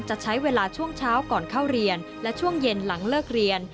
จะใช้เวลาช่วงเช้าก่อนเข้าเรียนและช่วงเย็นหลังเลิกเรียน